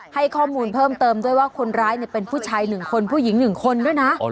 ให้ข้อมูลเพิ่มเติมด้วยว่าคนร้ายเป็นผู้ชาย๑คนผู้หญิง๑คนด้วยนะ